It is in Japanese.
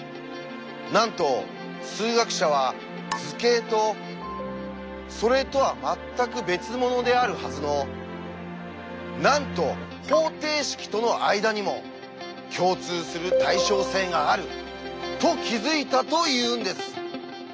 なんと数学者は図形とそれとは全く別物であるはずのなんと方程式との間にも共通する「対称性」があると気付いたというんです！